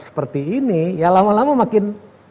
seperti ini ya lama lama makin